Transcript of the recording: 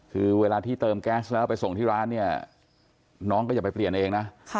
คือเวลาที่เติมแก๊สแล้วไปส่งที่ร้านเนี่ยน้องก็อย่าไปเปลี่ยนเองนะ